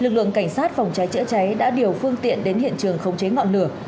lực lượng cảnh sát phòng cháy chữa cháy đã điều phương tiện đến hiện trường không chế ngọn lửa